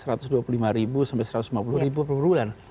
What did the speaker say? satu ratus dua puluh lima ribu sampai satu ratus lima puluh ribu per bulan